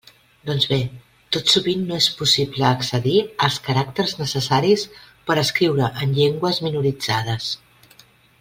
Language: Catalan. Doncs bé, tot sovint no és possible accedir als caràcters necessaris per a escriure en llengües minoritzades.